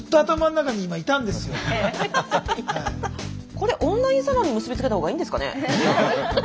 これオンラインサロンに結び付けた方がいいんですかね。